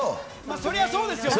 そりゃそうだよね。